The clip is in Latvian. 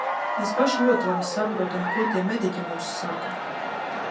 Mēs paši ļoti labi saprotam, ko tie mediķi mums saka.